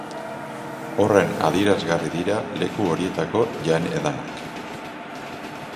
Horren adierazgarri dira leku horietako jan-edanak.